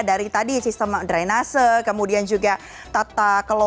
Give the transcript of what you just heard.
dari tadi sistem drainase kemudian juga tata kelola dari ruang ruang terbuka hijau begitu